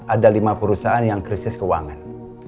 ada lima perusahaan yang krisis keuangan